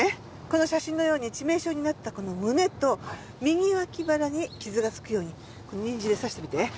この写真のように致命傷になったこの胸と右わき腹に傷が付くようにニンジンで刺してみて。